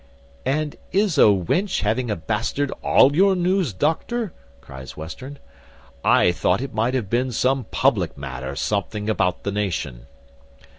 "And is a wench having a bastard all your news, doctor?" cries Western; "I thought it might have been some public matter, something about the nation."